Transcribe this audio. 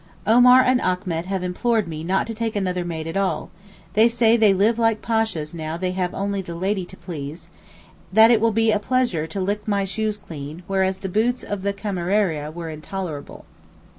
Omar and Achmet have implored me not to take another maid at all; they say they live like Pashas now they have only the lady to please; that it will be a pleasure to 'lick my shoes clean,' whereas the boots of the Cameriera were intolerable.